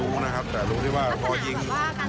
ผมก็ไม่รู้นะครับแต่รู้ได้ว่าพอยิง